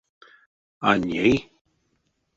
А ней?